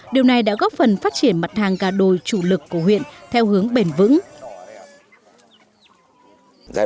điều này đã góp phần phát triển mặt hàng gà đồ chủ lực của huyện theo hướng bền vững